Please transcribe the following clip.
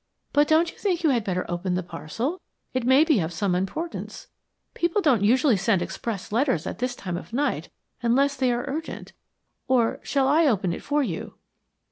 "But don't you think you had better open the parcel? It may be of some importance. People don't usually send express letters at this time of night unless they are urgent. Or, shall I open it for you?"